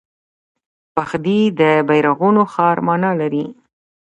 بخدي د بیرغونو ښار مانا لري